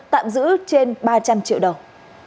tạm giữ trên ba trăm linh triệu đồng